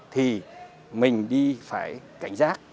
thì mình đi phải cảnh giác